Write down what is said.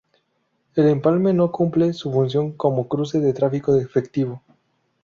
El empalme no cumple su función como cruce de tráfico efectivo.